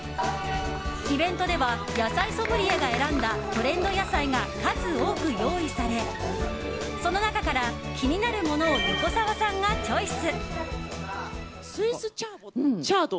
イベントでは野菜ソムリエが選んだトレンド野菜が数多く用意されその中から気になるものを横澤さんがチョイス。